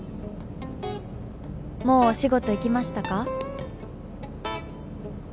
「もうお仕事行きましたか？」